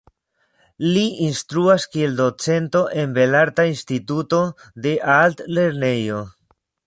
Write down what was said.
Li instruas kiel docento en belarta instituto de altlernejo.